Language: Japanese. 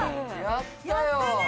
やったね。